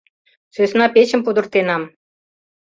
— Сӧсна печым пудыртенам.